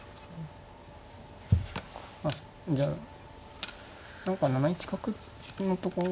じゃあ何か７一角のところ。